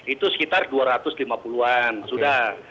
itu sekitar dua ratus lima puluh an sudah